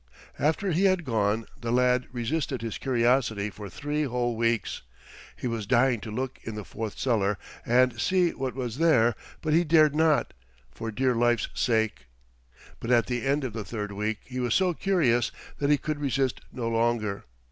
After he had gone the lad resisted his curiosity for three whole weeks. He was dying to look in the fourth cellar and see what was there, but he dared not, for dear life's sake. But at the end of the third week he was so curious that he could resist no longer.